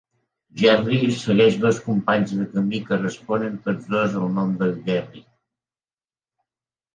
"Gerry" segueix dos companys de camí que responen tots dos al nom de "Gerry".